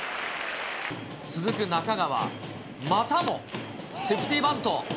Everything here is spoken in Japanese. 続くなかがわ、またもセーフティーバント。